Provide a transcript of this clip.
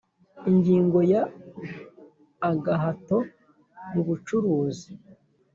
Ingingo ya Agahato mu bucuruzi